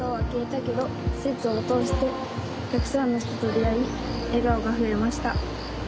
施設を通してたくさんの人と出会い笑顔が増えました。